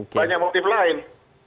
banyak motif lain